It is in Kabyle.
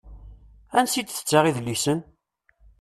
Ansi i d-tettaɣ idlisen?